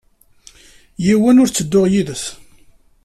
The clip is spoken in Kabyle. Yiwen ur ttedduɣ yid-s.